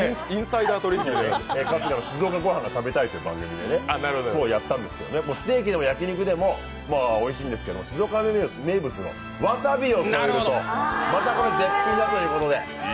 「春日の静岡ごはんが食べたい」という番組でやったんですけど、ステーキでも焼肉でもおいしいんですけど、静岡名物のわさびを添えると絶品だということでまたこれ絶品だということで。